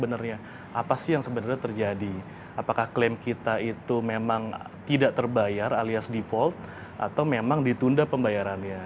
apa sih yang sebenarnya terjadi apakah klaim kita itu memang tidak terbayar alias default atau memang ditunda pembayarannya